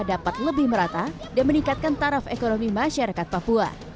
dapat lebih merata dan meningkatkan taraf ekonomi masyarakat papua